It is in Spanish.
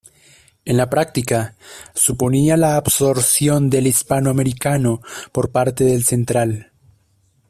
En la práctica, suponía la absorción del Hispano Americano por parte del Central.